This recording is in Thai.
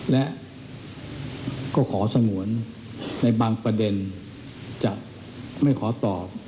และก็ขอสงวนในบางประเด็นจะไม่ขอตอบ